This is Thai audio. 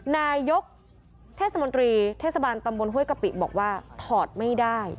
นายกเทศมนตรีเทศบาลตำบลห้วยกะปิบอกว่าถอดไม่ได้